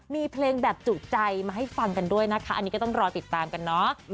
มีเพลงแบบจุใจมาให้ฟังกันด้วยนะคะอันนี้ก็ต้องรอติดตามกันเนาะ